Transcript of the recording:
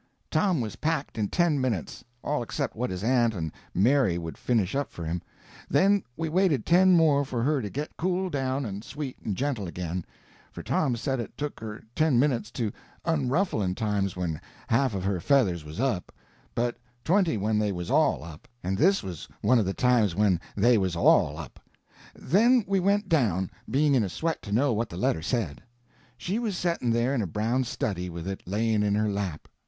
Tom was packed in ten minutes, all except what his aunt and Mary would finish up for him; then we waited ten more for her to get cooled down and sweet and gentle again; for Tom said it took her ten minutes to unruffle in times when half of her feathers was up, but twenty when they was all up, and this was one of the times when they was all up. Then we went down, being in a sweat to know what the letter said. She was setting there in a brown study, with it laying in her lap.